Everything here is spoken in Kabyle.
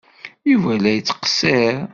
Yuba la yettqeṣṣir.